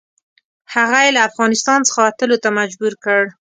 هغه یې له افغانستان څخه وتلو ته مجبور کړ.